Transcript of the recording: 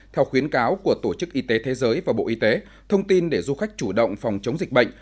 theo khuyến cáo của tổ chức y tế thế giới và bộ y tế thông tin để du khách chủ động phòng chống dịch bệnh